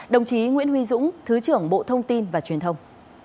đồng chí nguyễn huy dũng thứ trưởng bộ thông tin và truyền thông